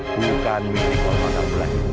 bukan milik wadah mulai